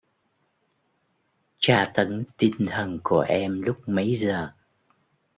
Tra tấn tinh thần của em lúc mấy giờ